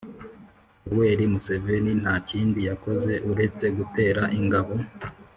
yoweri museveni nta kindi yakoze uretse gutera ingabo